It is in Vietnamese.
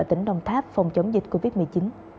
tỉnh đồng tháp phòng chống dịch covid một mươi chín